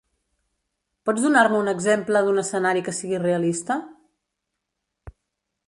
Pots donar-me un exemple d'un escenari que sigui realista?